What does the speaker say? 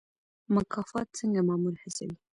مکافات څنګه مامور هڅوي؟